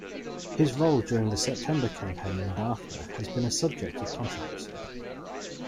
His role during the September Campaign and after has been a subject of controversy.